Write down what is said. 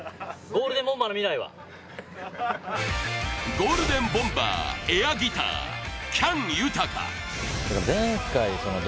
ゴールデンボンバー、エアギター、喜矢武豊。